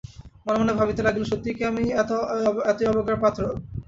মনে মনে ভাবিতে লাগিল, সত্যই কি আমি এতই অবজ্ঞার পাত্র?